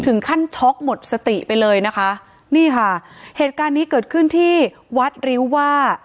ช็อกหมดสติไปเลยนะคะนี่ค่ะเหตุการณ์นี้เกิดขึ้นที่วัดริ้วว่า